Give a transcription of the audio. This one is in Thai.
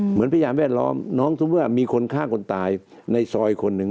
เหมือนพยานแวดล้อมน้องทุกว่ามีคนฆ่าคนตายในซอยคนหนึ่ง